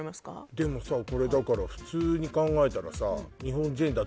でもさこれだから普通に考えたらさ